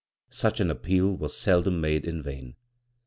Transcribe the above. Such an appeal was seldom made in vain.